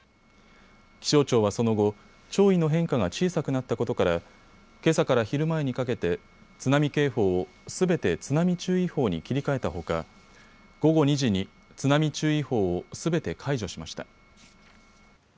気象庁はその後、潮位の変化が小さくなったことからけさから昼前にかけて津波警報を、すべて津波注意報に切り替えたほか午後２時に津波注意報をすべて解除しました。